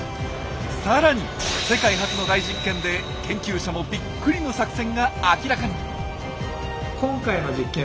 さらに世界初の大実験で研究者もびっくりの作戦が明らかに！